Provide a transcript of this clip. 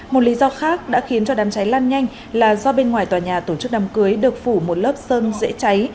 một lý do khác đã khiến cho đám cháy lan nhanh là do bên ngoài tòa nhà tổ chức đám cưới được phủ một lớp sơn dễ cháy